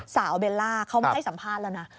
เบลล่าเขามาให้สัมภาษณ์แล้วนะ